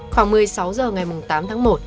khoảng một mươi sáu h ngày tám tháng một